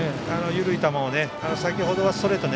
緩い球を。